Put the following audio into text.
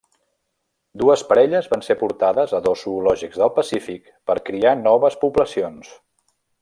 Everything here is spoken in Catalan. Dues parelles van ser portades a dos zoològics del Pacífic per criar noves poblacions.